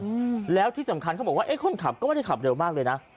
อืมแล้วที่สำคัญเขาบอกว่าเอ๊ะคนขับก็ไม่ได้ขับเร็วมากเลยนะ